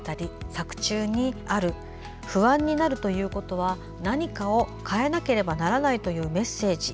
作中にある「不安になるということは何かを変えなければならないというメッセージ」。